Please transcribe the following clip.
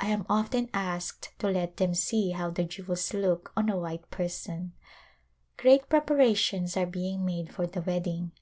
I am often asked to let them see how the jewels look on a white person. Great preparations are being made for the wedding.